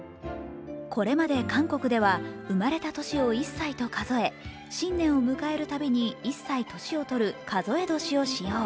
これまで韓国では、生まれた年を１歳と数え新年を迎えるたびに１歳年をとる数え年を使用。